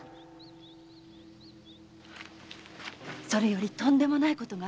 それよりとんでもないことが。